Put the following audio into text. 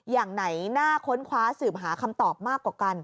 อย่างไหนน่าค้นคว้าสืบหาคำตอบมากกว่ากัน